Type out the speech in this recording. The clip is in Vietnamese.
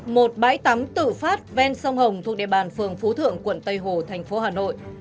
một bãi tắm tự phát ven sông hồng thuộc địa bàn phường phú thượng quận tây hồ thành phố hà nội